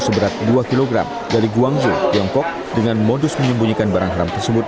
seberat dua kg dari guangzhou tiongkok dengan modus menyembunyikan barang haram tersebut